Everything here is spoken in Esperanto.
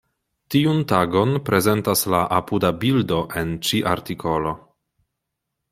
Tiun tagon prezentas la apuda bildo en ĉi artikolo.